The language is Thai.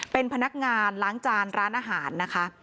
เป็นพนักงานล้างจานร้านอาหารนะคะ